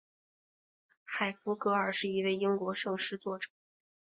海弗格尔是一位英国圣诗作者。